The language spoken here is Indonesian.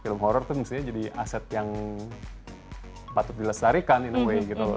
film horror itu seperti ini film horror itu jadi aset yang patut dilestarikan in a way gitu loh